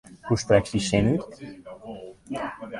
Hoe sprekst dy sin út?